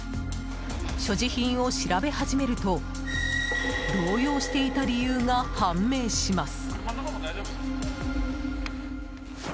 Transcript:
所持品を調べ始めると動揺していた理由が判明します。